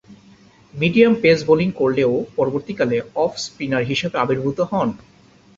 Medium pace bowling করলেও পরবর্তীকালে off-spinner হিসেবে আবির্ভূত হন।